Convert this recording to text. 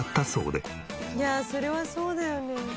いやそれはそうだよね。